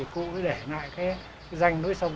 cũ để lại danh núi sông